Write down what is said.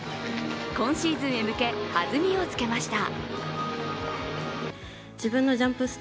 今シーズンへ向け弾みをつけました。